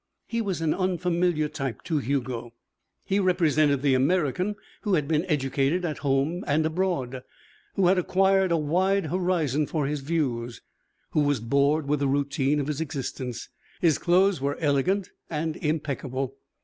He was an unfamiliar type to Hugo. He represented the American who had been educated at home and abroad, who had acquired a wide horizon for his views, who was bored with the routine of his existence. His clothes were elegant and impeccable.